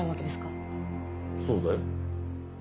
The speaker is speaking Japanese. そうだよ。